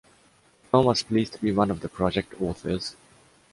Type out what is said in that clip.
Japan was pleased to be one of the project authors.